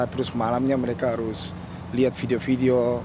terus malamnya mereka harus lihat video video